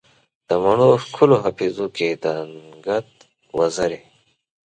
د مڼو ښکلو حافظو کې دنګهت وزرې